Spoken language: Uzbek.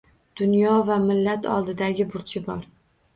Dunyo va millat oldidagi burchi bor.